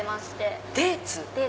デーツ？